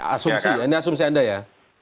asumsi ini asumsi anda ya